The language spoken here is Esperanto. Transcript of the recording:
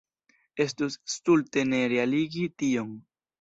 Estus stulte ne realigi tion.